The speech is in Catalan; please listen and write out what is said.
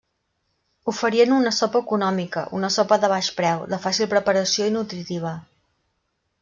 Oferien una sopa econòmica, una sopa de baix preu, de fàcil preparació i nutritiva.